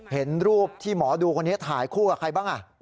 เห็นรูปที่หมอดูคนนี้ถ่ายคู่กับใครบ้าง